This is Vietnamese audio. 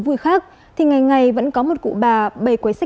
quốc sáu trăm bảy mươi hai giấy khách đoàn xe